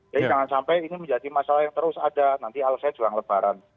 jadi jangan sampai ini menjadi masalah yang terus ada nanti alasannya jualan lebaran